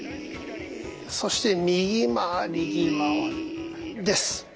そして右回りです。